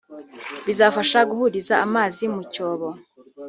bizafasha guhuriza amazi mu cyobo